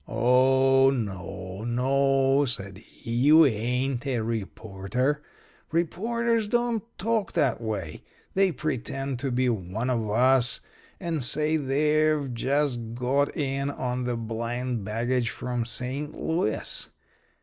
"Oh, no, no," said he. "You ain't a reporter. Reporters don't talk that way. They pretend to be one of us, and say they've just got in on the blind baggage from St. Louis.